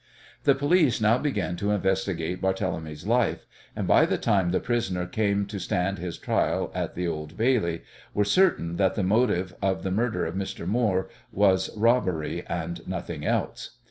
The police now began to investigate Barthélemy's life, and by the time the prisoner came to stand his trial at the Old Bailey were certain that the motive for the murder of Mr. Moore was robbery and nothing else.